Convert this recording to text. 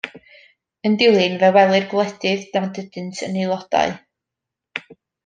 Yn dilyn, fe welir gwledydd nad ydynt yn aelodau.